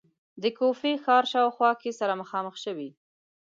په کوفې ښار شاوخوا کې سره مخامخ شوې.